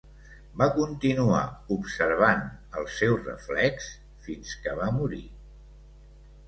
Va continuar observant el seu reflex fins que va morir.